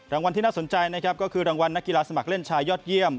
รางวัลที่น่าสนใจนะครับก็คือรางวัลนักกีฬาสมัครเล่นชายยอดเยี่ยม